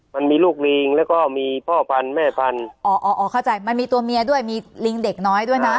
มันมีลูกลิงแล้วก็มีพ่อพันธุ์แม่พันธุ์อ๋ออ๋ออ๋อเข้าใจมันมีตัวเมียด้วยมีลิงเด็กน้อยด้วยนะ